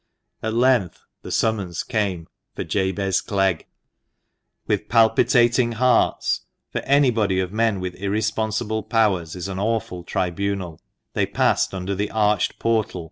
At length the summons came for "Jabez Clegg." With palpitating hearts — for any body of men with irresponsible powers is an awful tribunal — they passed under the arched portal ^x READING ROOM, CHETHAM LIBRARY.